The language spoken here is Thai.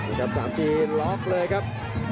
อันนี้พยายามจะเน้นข้างซ้ายนะครับ